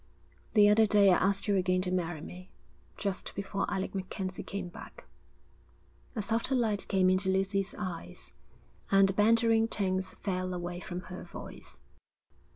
'The other day I asked you again to marry me, just before Alec MacKenzie came back.' A softer light came into Lucy's eyes, and the bantering tones fell away from her voice.